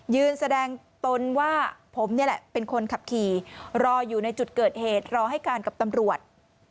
แสดงตนว่าผมนี่แหละเป็นคนขับขี่รออยู่ในจุดเกิดเหตุรอให้การกับตำรวจ